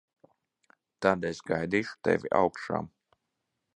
Tad es gaidīšu tevi augšā.